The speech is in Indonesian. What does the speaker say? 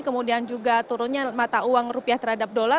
kemudian juga turunnya mata uang rupiah terhadap dolar